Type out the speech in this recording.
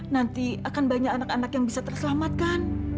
nanti akan banyak anak anak yang bisa terselamatkan